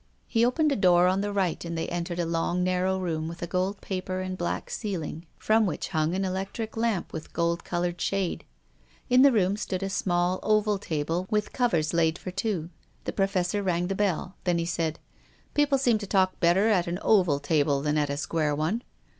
He opened a door on the right and they en tered a long, narrow room, with a gold paper and a black ceiling, from which hung an electric lamp with a gold coloured shade. In the room stood a small oval table with covers laid for two. The Professor rang the bell. Then he said, " People seem to talk better at an oval table than at a square one."